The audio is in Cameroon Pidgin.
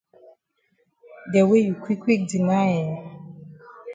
De way you quick quick deny eh.